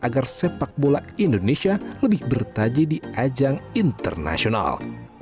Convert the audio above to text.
agar sepak bola indonesia lebih bertaji di ajang internasional